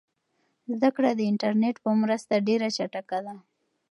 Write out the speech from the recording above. زده کړه د انټرنیټ په مرسته ډېره چټکه ده.